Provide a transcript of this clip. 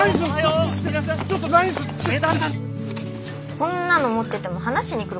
こんなの持ってても話しに来る子いないよ。